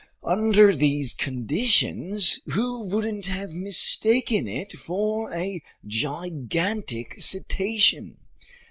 Under these conditions, who wouldn't have mistaken it for a gigantic cetacean?